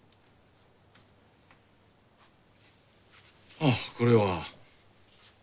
あっこれは。